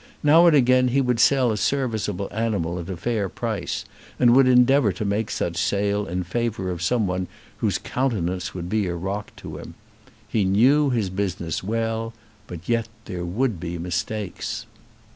Now and again he would sell a serviceable animal at a fair price, and would endeavour to make such sale in favour of someone whose countenance would be a rock to him. He knew his business well, but yet there would be mistakes.